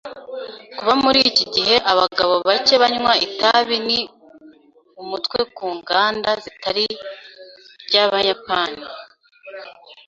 Kuba muri iki gihe abagabo bake banywa itabi ni umutwe ku nganda z’itabi ry’Abayapani.